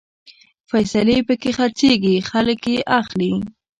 فیصلې پکې خرڅېږي، خلک يې اخلي